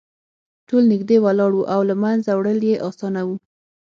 ټول نږدې ولاړ وو او له منځه وړل یې اسانه وو